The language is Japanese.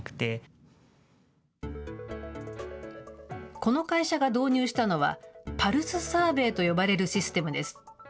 この会社が導入したのは、パルスサーベイと呼ばれるシステムです。